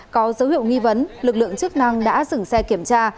có dấu hiệu nghi vấn lực lượng chức năng đã dừng xe kiểm tra